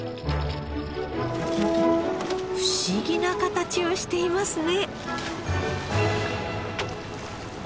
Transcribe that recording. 不思議な形をしていますね。